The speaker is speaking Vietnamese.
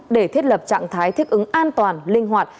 để thiết lập trạng thái thích ứng an toàn linh hoạt